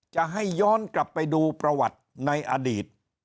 จะให้ย้อนกลับไปดูประวัติในอดีต